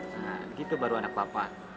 nah begitu baru anak papa